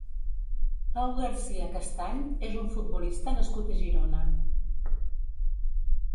Pau Garcia Castany és un futbolista nascut a Girona.